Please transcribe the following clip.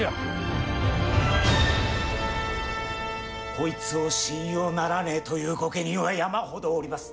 こいつを信用ならねえという御家人は山ほどおります。